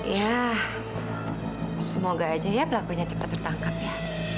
ya semoga aja ya pelakunya cepat tertangkap ya